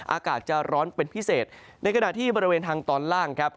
อากาศจะร้อนเป็นพิเศษในขณะที่บริเวณทางตอนล่างครับ